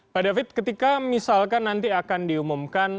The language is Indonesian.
pak david ketika misalkan nanti akan diumumkan